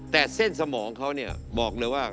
แต่เส้นสมองเขาเนี่ยบอกเลยว่า